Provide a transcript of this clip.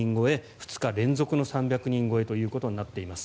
２日連続の３００人超えとなっています。